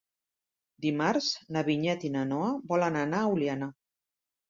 Dimarts na Vinyet i na Noa volen anar a Oliana.